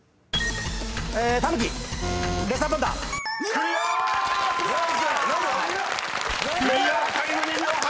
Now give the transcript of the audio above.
［クリアタイム２秒８！］